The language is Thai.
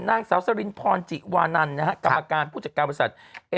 นางสาวสรินพรจิวานันกรรมการผู้จัดการบริษัท